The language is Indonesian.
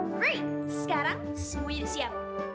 great sekarang semuanya siap